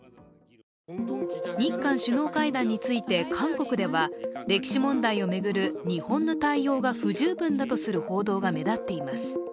日韓首脳会談について韓国では、歴史問題を巡る日本の対応が不十分だとする報道が目立っています。